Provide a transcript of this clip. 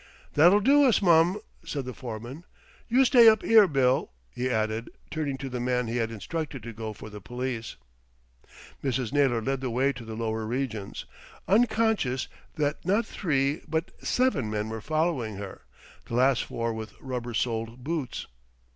"That'll do us, mum," said the foreman. "You stay up 'ere, Bill," he added, turning to the man he had instructed to go for the police. Mrs. Naylor led the way to the lower regions, unconscious that not three but seven men were following her, the last four with rubber soled boots.